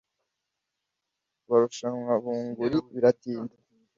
Barushanwa bunguri biratinda